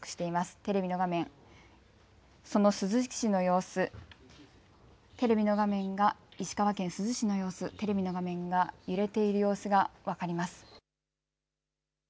テレビの画面、その珠洲市の様子、石川県珠洲市の様子、テレビの画面が揺れている様子が分かります。